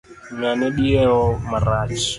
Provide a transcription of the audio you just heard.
Ng'ane diewo marach.